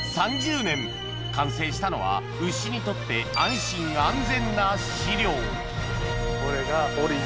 ３０年完成したのは牛にとって安心安全な飼料これが。